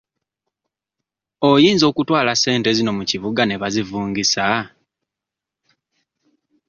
Oyinza okutwala ssente zino mu kibuga ne bazivungisa?